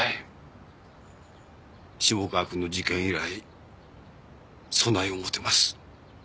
下川くんの事件以来そない思てます。